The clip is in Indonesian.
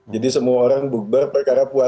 jadi semua orang buber